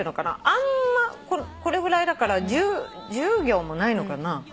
あんまこれぐらいだから１０行もないのかな。